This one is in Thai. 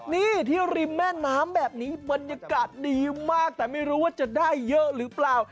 นี่ที่ริมแม่น้ำแบบนี้บรรยากาศดีมากแต่ไม่รู้ว่าจะได้เยอะหรือเปล่า